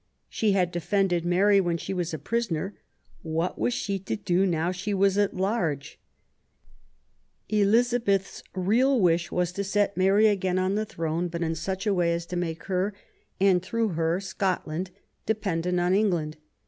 She had defended Mary when she was a prisoner, what was she to do now she was at large ? Elizabeth's real wish was to set Mary again on the throne, but in such a way as to make her, and through her Scotland, dependent on England.